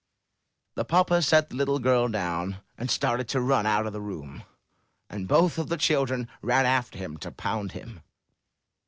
The papa set the little girl down, and started to run out of the room, and both of the children ran after him, to pound him.